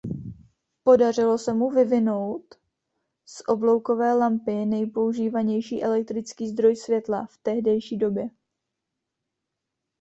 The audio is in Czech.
Podařilo se mu vyvinout z obloukové lampy nejpoužívanější elektrický zdroj světla v tehdejší době.